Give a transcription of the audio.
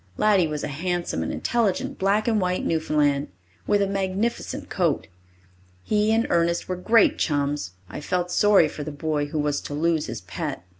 Laddie was a handsome and intelligent black and white Newfoundland, with a magnificent coat. He and Ernest were great chums. I felt sorry for the boy who was to lose his pet.